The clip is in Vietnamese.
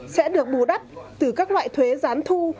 sẽ được bù đắp từ các loại thuế gián thu